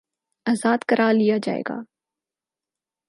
آزاد کرا لیا جائے گا